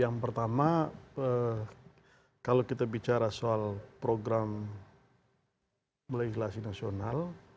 yang pertama kalau kita bicara soal program legislasi nasional